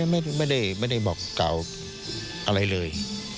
ไม่ได้บอกกล่าวอะไรเลย